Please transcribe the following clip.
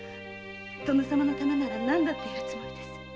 殿様のためなら何だってやるつもりです。